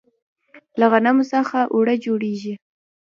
له غنمو څخه اوړه جوړیږي.